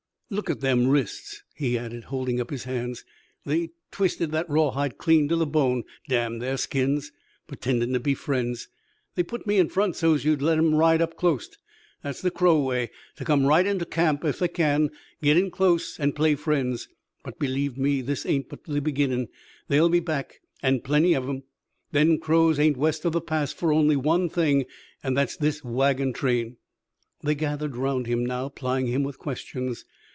"Look at them wrists," he added, holding up his hands. "They twisted that rawhide clean to the bone, damn their skins! Pertendin' to be friends! They put me in front sos't you'd let 'em ride up clost that's the Crow way, to come right inter camp if they can, git in close an' play friends. But, believe me, this ain't but the beginnin'. They'll be back, an' plenty with 'em. Them Crows ain't west of the Pass fer only one thing, an' that's this wagon train." They gathered around him now, plying him with questions.